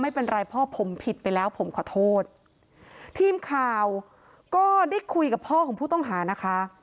ไม่เป็นไรพ่อผมผิดไปแล้วผมขอโทษทีมข่าวก็ได้คุยกับพ่อของผู้ต้องหานะคะ